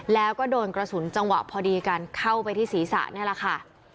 แล้วก็โดนกระสุนจังหวะพอดีกันเข้าไปที่ศีรษะนี่แหละค่ะ